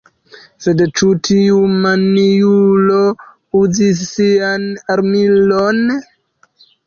Sed ĉu tiu maniulo uzis sian armilon?